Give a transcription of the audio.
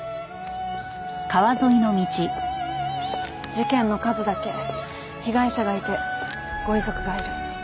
事件の数だけ被害者がいてご遺族がいる。